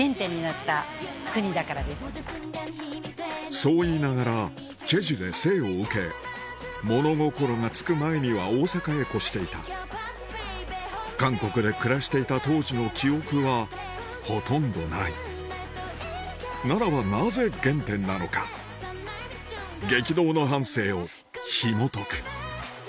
そう言いながらチェジュで生を受け物心がつく前には大阪へ越していた韓国で暮らしていた当時の記憶はほとんどないならばなぜ原点なのか激動の半生をひもとく